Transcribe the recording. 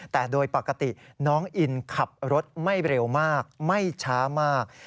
แต่โดยปกติน้องอินขับรถไม่เร็วมากไม่ช้ามาก